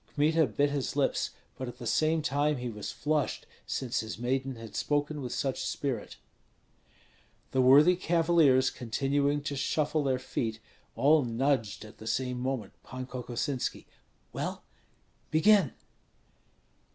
Kmita bit his lips, but at the same time he was flushed, since his maiden had spoken with such spirit. The worthy cavaliers continuing to shuffle their feet, all nudged at the same moment Pan Kokosinski: "Well, begin!"